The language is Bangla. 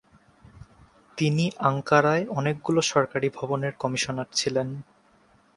তিনি আঙ্কারায় অনেকগুলি সরকারী ভবনের কমিশনার ছিলেন।